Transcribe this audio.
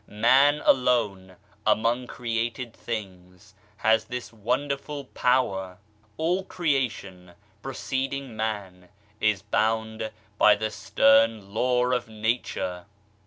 Man alone, 'among created beings, has this wonderful power. All creation, preceding Man, is bound by the' stern Law of Nature.